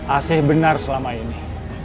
asih benar selama ini